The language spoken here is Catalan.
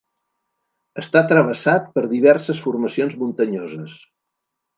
Està travessat per diverses formacions muntanyoses.